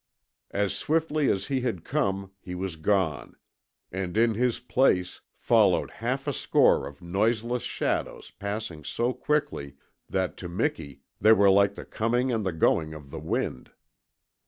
As swiftly as he had come he was gone, and in his place followed half a score of noiseless shadows passing so quickly that to Miki they were like the coming and the going of the wind.